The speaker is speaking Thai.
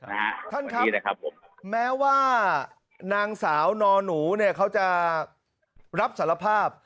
อ่าท่านครับวันนี้นะครับผมแม้ว่านางสาวนอนูเนี้ยเขาจะรับสารภาพ